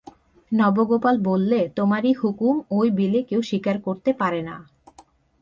নবগোপাল বললে, তোমারই হুকুম ঐ বিলে কেউ শিকার করতে পারে না।